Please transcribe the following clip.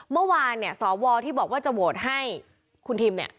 เมื่อวานเนี่ยสวที่บอกว่าจะโหวตให้คุณทิมเนี่ย